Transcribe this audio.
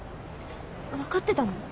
分かってたの？